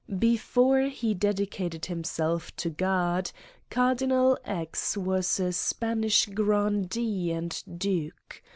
Be fore he dedicated himself to God, Cardinal X. was a Spanish grandee and duke.